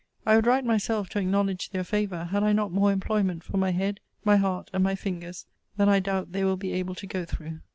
I would write myself to acknowledge their favour, had I not more employment for my head, my heart, and my fingers, than I doubt they will be able to go through.